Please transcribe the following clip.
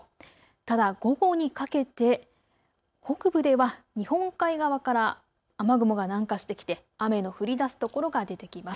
ただ午後にかけて北部では日本海側から雨雲が南下してきて雨の降りだすところが出てきます。